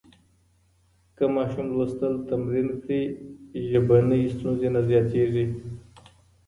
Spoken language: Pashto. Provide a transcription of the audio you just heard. که ماشوم لوستل تمرین کړي، ژبني ستونزې نه زیاتېږي.